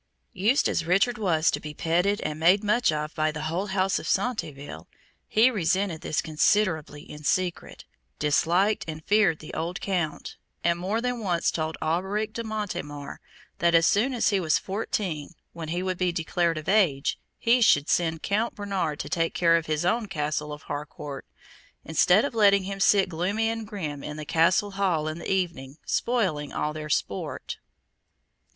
Used as Richard was to be petted and made much of by the whole house of Centeville, he resented this considerably in secret, disliked and feared the old Count, and more than once told Alberic de Montemar, that as soon as he was fourteen, when he would be declared of age, he should send Count Bernard to take care of his own Castle of Harcourt, instead of letting him sit gloomy and grim in the Castle hall in the evening, spoiling all their sport.